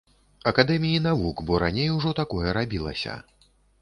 Акадэміі навук, бо раней ужо такое рабілася.